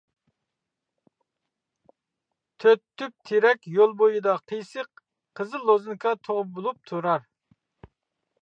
تۆت تۈپ تېرەك يول بويىدا قىيسىق، قىزىل لوزۇنكا تۇغ بولۇپ تۇرار.